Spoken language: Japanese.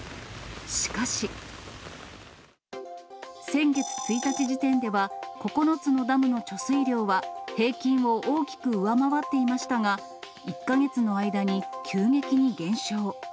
しかし。先月１日時点では、９つのダムの貯水量は平均を大きく上回っていましたが、１か月の間に急激に減少。